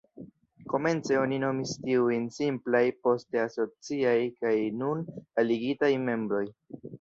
Komence oni nomis tiujn "simplaj", poste "asociaj" kaj nun "aligitaj" membroj.